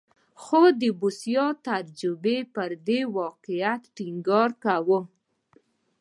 خو د بوسیا تجربه پر دې واقعیت ټینګار کوي.